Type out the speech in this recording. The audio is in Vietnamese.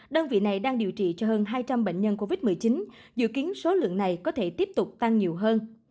đơn vị này đang điều trị cho hơn hai trăm linh bệnh nhân covid một mươi chín dự kiến số lượng này có thể tiếp tục tăng nhiều hơn